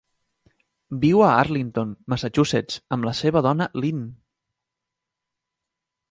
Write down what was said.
Viu a Arlington, Massachusetts, amb la seva dona Lynn.